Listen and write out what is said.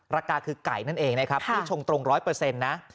ราคาคือไก่นั่นเองนะครับผู้ชงตรง๑๐๐นะ